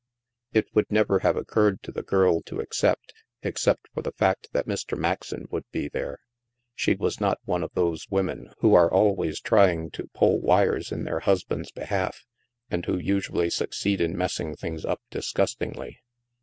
It would never have occurred to the girl to ac cept, except for the fact that Mr. Maxon would be there. She was not one of those women who are always trying to pull wires in their husband's be half and who usually succeed in messing things up disgustingly.